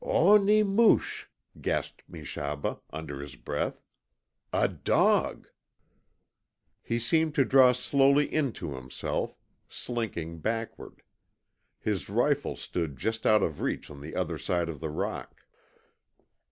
"Ohne moosh!" gasped Meshaba, under his breath "a dog!" He seemed to draw slowly into himself, slinking backward. His rifle stood just out of reach on the other side of the rock.